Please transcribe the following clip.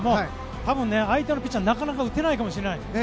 多分、相手のピッチャーはなかなか打てないかもしれない。